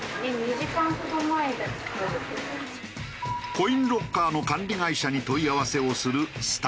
コインロッカーの管理会社に問い合わせをするスタッフ。